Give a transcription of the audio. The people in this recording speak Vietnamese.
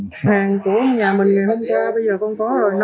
hàng của nhà mình ngày hôm qua bây giờ con có rồi